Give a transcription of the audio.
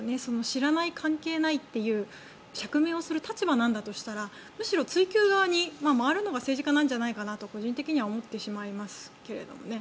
知らない、関係ないという釈明する立場なんだとしたらむしろ追及側に回るのが政治家なんじゃないかなと個人的には思ってしまいますけれどね。